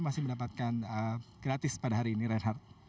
masih mendapatkan gratis pada hari ini reinhardt